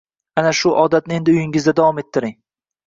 Ana shu odatni endi uyingizda davom ettiring.